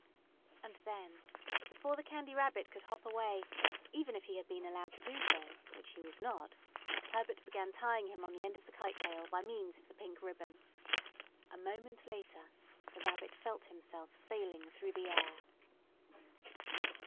And then, before the Candy Rabbit could hop away, even if he had been allowed to do so (which he was not) Herbert began tying him on the end of the kite tail by means of the pink ribbon. A moment later the Rabbit felt himself sailing through the air.